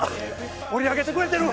盛り上げてくれてる！